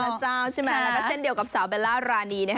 แล้วก็เช่นเดียวกับสาวเบลล่ารานี